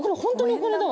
お金だ。